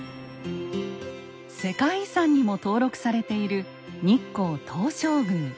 世界遺産にも登録されている日光東照宮。